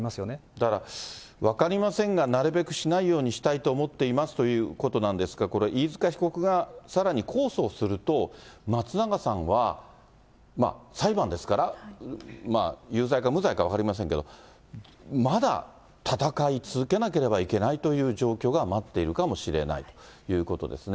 だから、分かりませんが、なるべくしないようにしたいと思っていますということなんですが、これ、飯塚被告がさらに控訴をすると、松永さんは、裁判ですから、有罪か無罪か分かりませんけど、まだ戦い続けなければいけないという状況が待っているかもしれないということですね。